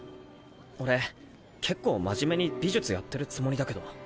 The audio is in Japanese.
俺結構真面目に美術やってるつもりだけど。